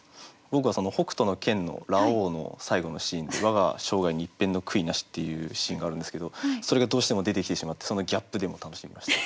僕は「北斗の拳」のラオウの最後のシーンで「わが生涯に一片の悔いなし！！」っていうシーンがあるんですけどそれがどうしても出てきてしまってそのギャップでも楽しめました。